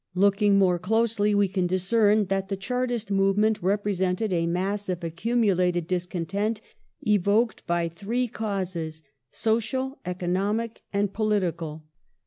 ..." Looking more closely we can discern that the Chartist movement represented a mass of accumulated discontent evoked by three causes : social, economic, and political.